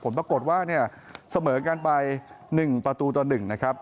ปรากฏว่าเนี่ยเสมอกันไป๑ประตูต่อ๑นะครับ